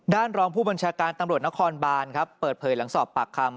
รองผู้บัญชาการตำรวจนครบานครับเปิดเผยหลังสอบปากคำ